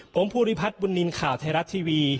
ผมภูริพัฒน์บุญนินทร์ข่าวไทยรัฐทีวี